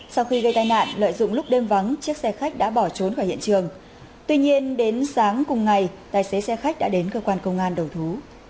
sau khi gây tai nạn lợi dụng lúc đêm vắng chiếc xe khách đã bỏ trốn khỏi hiện trường tuy nhiên đến sáng cùng ngày tài xế xe khách đã đến cơ quan công an đầu thú